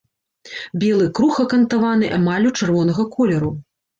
Белы круг акантаваны эмаллю чырвонага колеру.